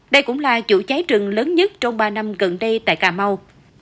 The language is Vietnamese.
đây cũng là chủ cháy rừng lớn nhất trong ba năm gần đây tại cà mau